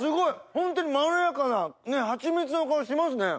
本当にまろやかなハチミツの香りしますね。